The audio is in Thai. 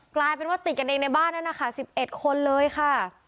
กลายเป็นว่าติดกันเองในบ้านนั้นนะคะ๑๑คนเลยค่ะ